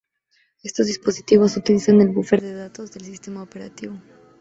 Estos dispositivos utilizan el Buffer de datos del sistema operativo.